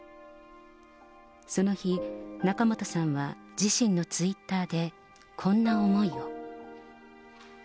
その日、仲本さんは自身のツイッターでこんな思いを。